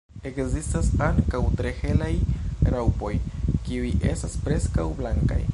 Ekzistas ankaŭ tre helaj raŭpoj, kiuj estas preskaŭ blankaj.